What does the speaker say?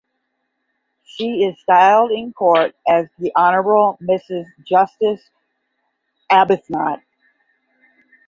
She is styled in court as The Honourable Mrs Justice Arbuthnot.